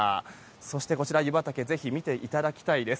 そして、こちら湯畑ぜひ見ていただきたいです。